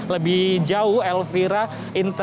lebih jauh elvira pihak internal dari kpk sendiri mengatakan